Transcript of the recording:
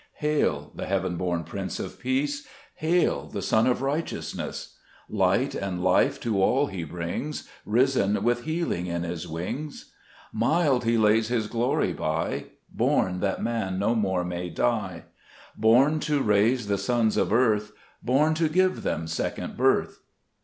3 Hail, the heaven born Prince of Peace ! Hail, the Sun of Righteousness ! Light and life to all He brings, Risen with healing in His wings. Mild He lays His glory by, Born that man no more may die, Born to raise the sons of earth, Born to give them second birth.